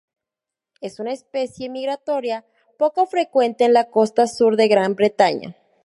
Es una especie migratoria poco frecuente en la costa sur de Gran Bretaña.